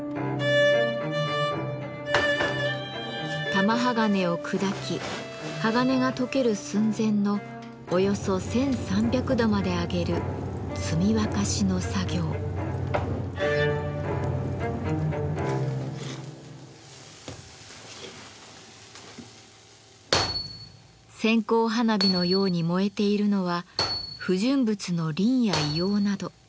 玉鋼を砕き鋼が溶ける寸前のおよそ１，３００度まで上げる線香花火のように燃えているのは不純物のリンや硫黄など。